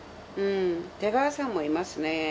出川さんもいますね。